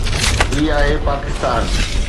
هي آهي پاڪستان.